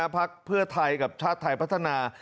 พักเพื่อไทยกับชาติไทยพัฒนา